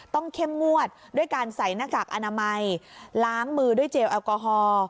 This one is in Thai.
เข้มงวดด้วยการใส่หน้ากากอนามัยล้างมือด้วยเจลแอลกอฮอล์